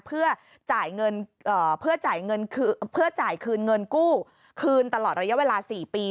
เพื่อจ่ายคืนเงินกู้คืนตลอดระยะเวลา๔ปี